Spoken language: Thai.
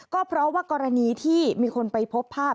ก็เพราะว่ากรณีที่มีคนไปพบภาพ